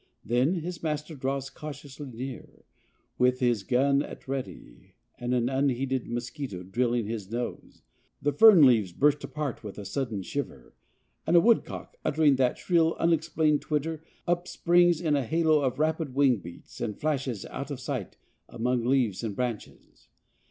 Then, his master draws cautiously near, with gun at a ready and an unheeded mosquito drilling his nose, the fern leaves burst apart with a sudden shiver, and a woodcock, uttering that shrill unexplained twitter, upsprings in a halo of rapid wing beats and flashes out of sight among leaves and branches.